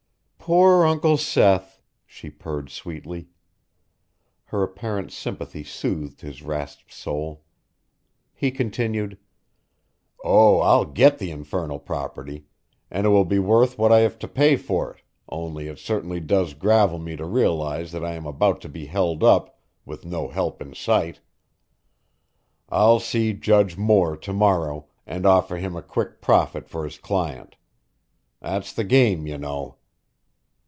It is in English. "Poor Uncle Seth!" she purred sweetly. Her apparent sympathy soothed his rasped soul. He continued: "Oh, I'll get the infernal property, and it will be worth what I have to pay for it, only it certainly does gravel me to realize that I am about to be held up, with no help in sight. I'll see Judge Moore to morrow and offer him a quick profit for his client. That's the game, you know."